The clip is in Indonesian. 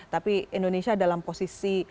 tapi indonesia dalam posisi